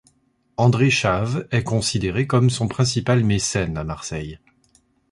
André Chave est considéré comme son principal mécène à Marseille.